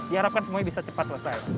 diharapkan semuanya bisa cepat selesai